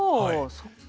そっか。